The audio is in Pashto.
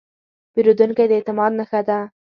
پیرودونکی د اعتماد نښه ده.